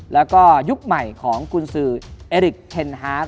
แล้วก็ยุคใหม่ของกุญสือเอริกเทนฮาร์ด